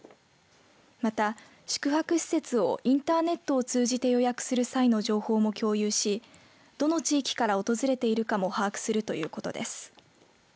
また、宿泊施設をインターネットを通じて予約する際の情報も共有しどの地域から訪れているかも把握するということです。